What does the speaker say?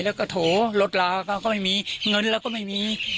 แล้วก็โถรถลาเขาก็ไม่มีเงินเราก็ไม่มี